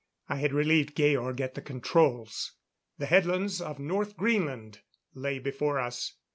I had relieved Georg at the controls. The headlands of North Greenland lay before us.